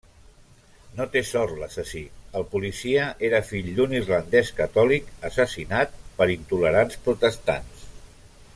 No té sort l'assassí, el policia era fill d'un irlandès catòlic, assassinat per intolerants protestants.